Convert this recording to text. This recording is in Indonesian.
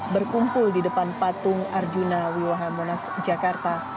berkumpul di depan patung arjuna wiwaha monas jakarta